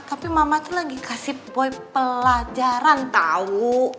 tapi mama itu lagi kasih boy pelajaran tau